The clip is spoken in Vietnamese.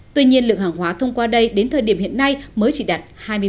tuy nhiên lượng hàng hóa thông qua đây đến thời điểm hiện nay mới chỉ đạt hai mươi